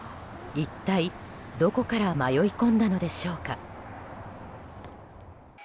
一体どこから迷い込んだのでしょうか。